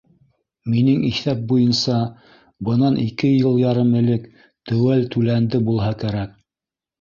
Минең иҫәп буйынса, бынан ике йыл ярым элек теүәл түләнде булһа кәрәк.